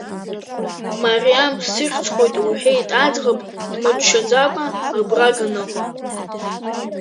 Мариам сыхьӡхоит лҳәеит аӡӷаб дмыччаӡакәа, агәра ганы.